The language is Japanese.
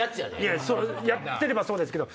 やってればそうですけど。